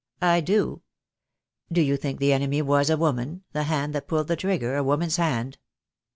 "I do." "Do you think the enemy was a woman — the hand that pulled the trigger a woman's hand?"